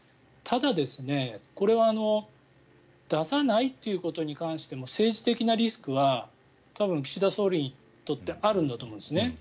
ただ出さないということに関しても政治的なリスクは多分、岸田総理にとってあるんだと思うんですね。